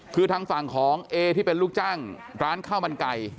คือทางฝั่งของเอที่เป็นลูกจ้างร้านข้าวมันไก่